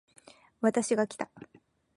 私がきた